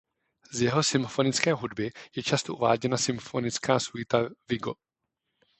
Z jeho symfonické hudby je často uváděna symfonická suita "Vigo".